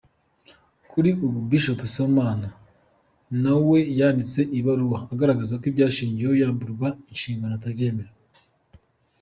Kuri ubu Bishop Sibomana na we yanditse ibaruwa igaragaza ko ibyashingiweho yamburwa inshingano atabyemera.